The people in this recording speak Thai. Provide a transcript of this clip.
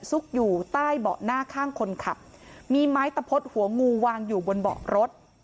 ซุกอยู่ใต้เบาะหน้าข้างคนขับมีไม้ตะพดหัวงูวางอยู่บนเบาะรถ